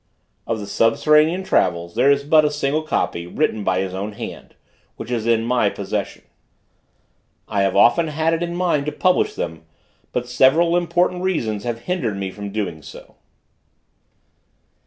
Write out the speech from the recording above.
Of the "subterranean travels," there is but a single copy, written by his own hand, which is in my possession. I have often had it in mind to publish them, but several important reasons have hindered me from doing so.